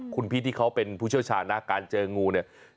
คุณพีชที่เขาเป็นผู้เชี่ยวชาญนะการเจองูเนี่ย